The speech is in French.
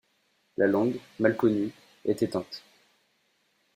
La langue, mal connue, est éteinte.